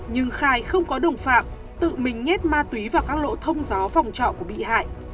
nhưng khai không có đồng phạm tự mình nhét ma túy vào các lộ thông gió phòng trọ của bị hại